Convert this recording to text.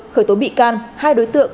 khởi tố bị can hai đối tượng